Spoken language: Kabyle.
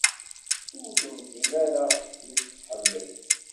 ur tendim ara mi tt-tḥemmel.